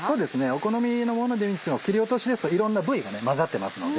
お好みのものでもいいですけども切り落としですといろんな部位が混ざってますので。